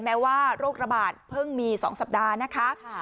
แม้ว่าโรคระบาดเพิ่งมี๒สัปดาห์นะคะ